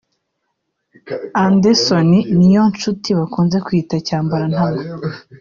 Anderson Niyonshuti bakunze kwita Cyambarantama